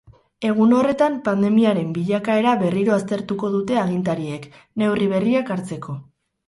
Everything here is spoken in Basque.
Egun horretan pandemiaren bilakaera berriro aztertuko dute agintariek, neurri berriak hartzeko.